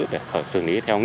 để khởi sự